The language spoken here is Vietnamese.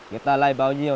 người ta lấy bao nhiêu